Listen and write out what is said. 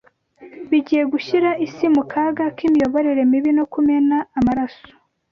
bigiye gushyira isi mu kaga k’imiyoborere mibi no kumena amaraso.